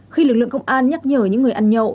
khi lực lượng công an nhắc nhở những người ăn nhậu